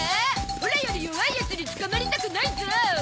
オラより弱いヤツに捕まりたくないゾ。